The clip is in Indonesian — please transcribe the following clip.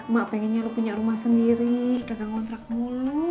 mak pengennya lo punya rumah sendiri kagak ngontrak mulu